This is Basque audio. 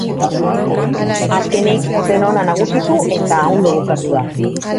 Azkenik, sen ona nagusitu eta ondo bukatu da.